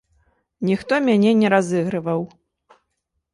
Ніхто мяне не разыгрываў.